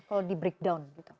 kalau di breakdown gitu